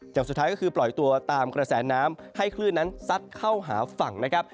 สุดท้ายก็คือปล่อยตัวตามกระแสน้ำให้คลื่นนั้นซัดเข้าหาฝั่งนะครับ